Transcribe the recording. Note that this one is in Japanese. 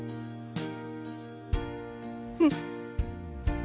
うん。